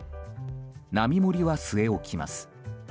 並盛は据え置きます。